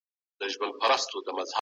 هغه غوښه چې خامه ده، ډېره خطرناکه ده.